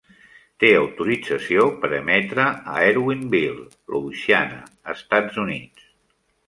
Té autorització per emetre a Erwinville, Louisiana, Estats Units.